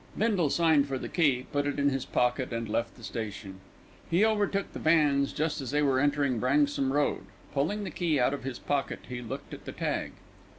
Bindle signed for the key, put it in his pocket and left the station. He overtook the vans just as they were entering Branksome Road. Pulling the key out of his pocket he looked at the tag.